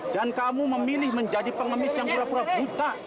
dan kamu memilih menjadi pengemis yang pura pura buta